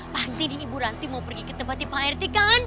pasti nih ibu ranti mau pergi ke tempatnya pak rt kan